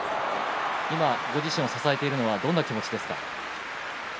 今、ご自身を支えているのはどんな気持ちですか？